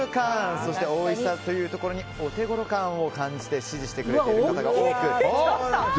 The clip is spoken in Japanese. そしておいしさというところにオテゴロ感を感じて支持してくれている方が多いと。